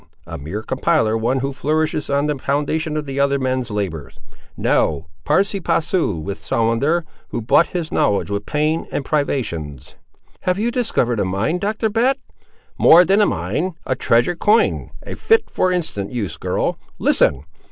a mere compiler: one who flourishes on the foundation of other men's labours. No; pari passu with Solander, who bought his knowledge with pain and privations!" "Have you discovered a mine, Doctor Bat?" "More than a mine; a treasure coined, and fit for instant use, girl.—Listen!